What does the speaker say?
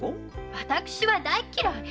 私は大っ嫌い！